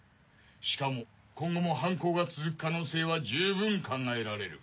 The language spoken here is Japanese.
しかも今後も犯行が続く可能性は十分考えられる。